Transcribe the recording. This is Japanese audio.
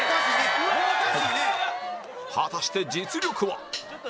果たして実力は